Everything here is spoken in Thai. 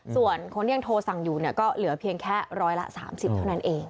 ส่วนคนที่ยังโทรสั่งอยู่ก็เหลือเพียงแค่ร้อยละ๓๐เท่านั้นเอง